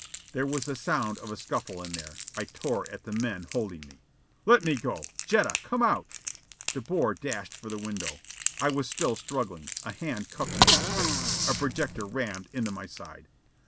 There was the sound of a scuffle in there. I tore at the men holding me. "Let me go! Jetta! Come out!" De Boer dashed for the window. I was still struggling. A hand cuffed me in the face. A projector rammed into my side.